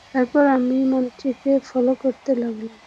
তারপর আমি, মন্ত্রীকে ফলো করতে লাগলাম।